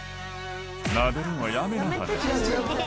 「なでるのはやめなはれ」